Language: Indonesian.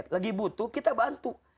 lagi butuh kita bantu